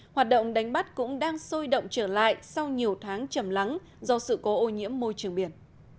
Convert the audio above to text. hoạt động đánh bắt cũng đang sôi động trở lại sau nhiều tháng chầm lắng do sự cố ô nhiễm môi trường biển